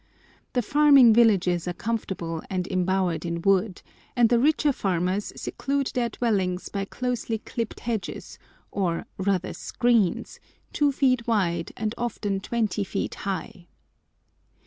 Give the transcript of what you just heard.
The farming villages are comfortable and embowered in wood, and the richer farmers seclude their dwellings by closely clipped hedges, or rather screens, two feet wide, and often twenty feet high.